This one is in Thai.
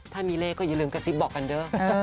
ถ้ามีเลขก็อย่าลืมกระซิบบอกกันเด้อ